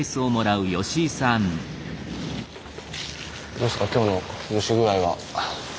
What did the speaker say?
どうっすか今日の蒸し具合は。